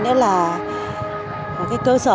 nữa là cơ sở